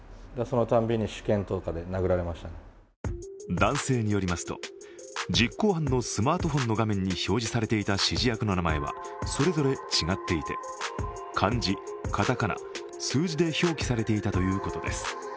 男性によりますと、実行犯のスマートフォンの画面に表示されていた指示役の名前はそれぞれ違っていて漢字、片仮名、数字で表記されていたということです。